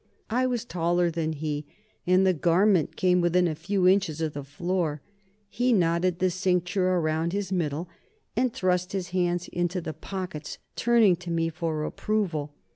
I was taller than he, and the garment came within a few inches of the floor. He knotted the cincture around his middle and thrust his hands into the pockets, turning to me for approval.